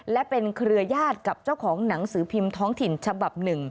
และเป็นเครือญาติกับเจ้าของหนังสือพิมพ์ท้องถิ่นฉบับ๑